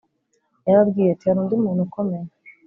yarababwiye ati hari undi muntu ukomeye